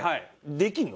できるの？